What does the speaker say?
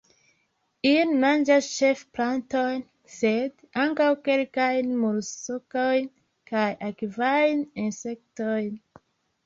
Ili manĝas ĉefe plantojn, sed ankaŭ kelkajn moluskojn kaj akvajn insektojn.